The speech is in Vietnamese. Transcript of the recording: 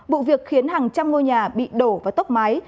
vụ việc khiến hàng trăm ngôi nhà bị đổ và tốc mái